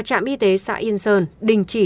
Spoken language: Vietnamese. trạm y tế xã yên sơn đình chỉ